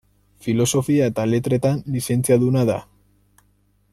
Filosofia eta Letretan lizentziaduna da.